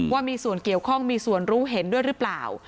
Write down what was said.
ว่ามีส่วนเกี่ยวข้องมีส่วนรู้เห็นด้วยหรือเปล่า